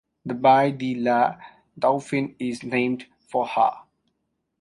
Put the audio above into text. The Baie de la Dauphine is named for her.